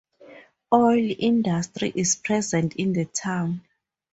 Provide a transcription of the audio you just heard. Oil industry is present in the town.